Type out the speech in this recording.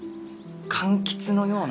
柑橘のような。